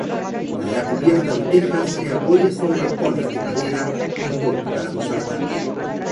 La cubierta de tejas se apoya sobre horcones de madera incorporados a la tapia.